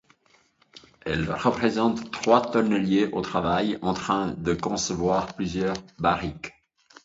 Elle représente trois tonneliers au travail, en train de concevoir plusieurs barriques.